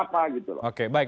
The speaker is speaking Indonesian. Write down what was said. apa gitu loh oke baik